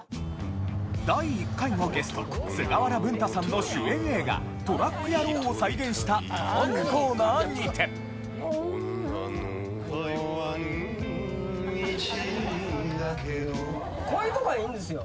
第１回のゲスト菅原文太さんの主演映画『トラック野郎』を再現したトークコーナーにてこういうとこがいいんですよ。